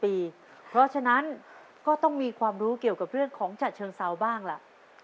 เพราะฉะนั้นก็ต้องมีความรู้เกี่ยวกับเรื่องของฉะเชิงเซาบ้างล่ะ